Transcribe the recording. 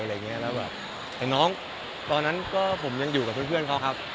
อเจมส์ตอนนั้นผมยังอยู่กับเพื่อนครับ